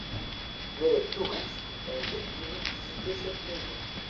Mais les touristes ont vite voulu visiter cette maison.